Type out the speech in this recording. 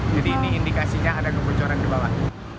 jadi ini indikasinya ada kebocoran di bawah